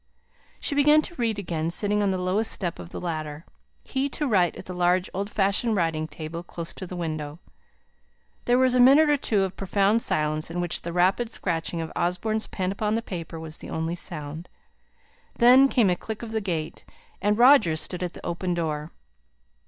She began to read again, sitting on the lowest step of the ladder; he to write at the large old fashioned writing table close to the window. There was a minute or two of profound silence, in which the rapid scratching of Osborne's pen upon the paper was the only sound. Then came a click of the gate, and Roger stood at the open door.